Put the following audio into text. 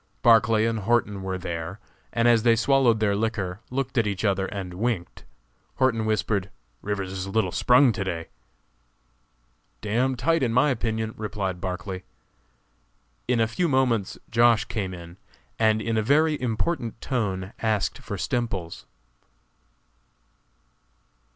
Barclay and Horton were there, and as they swallowed their liquor, looked at each other and winked. Horton whispered: "Rivers is a little 'sprung' to day." "D d tight, in my opinion," replied Barclay. In a few moments Josh. came in, and in a very important tone asked for Stemples.